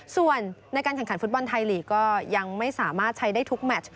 ส่วนในการแข่งขันฟุตบอลไทยลีกก็ยังไม่สามารถใช้ได้ทุกแมช